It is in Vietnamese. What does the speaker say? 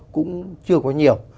cũng chưa có nhiều